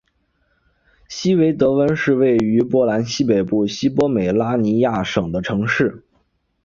希维德温是位于波兰西北部西波美拉尼亚省的城市。